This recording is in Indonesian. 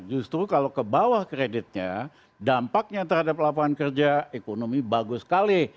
justru kalau ke bawah kreditnya dampaknya terhadap lapangan kerja ekonomi bagus sekali